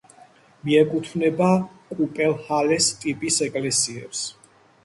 მიეკუთვნება კუპელჰალეს ტიპის ეკლესიებს.